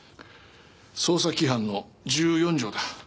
捜査規範の十四条だ。